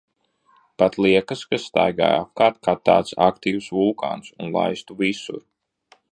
Pat liekas, ka staigāju apkārt kā tāds aktīvs vulkāns un laistu visur.